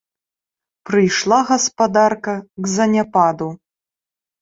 Прыйшла гаспадарка к заняпаду.